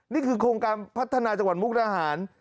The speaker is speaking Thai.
นี่คือโครงการพัฒนาจังหวัดมุกดาหาร